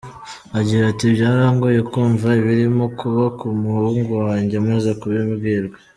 Agira ati “Byarangoye kumva ibirimo kuba ku muhungu wanjye amaze kubimbwira.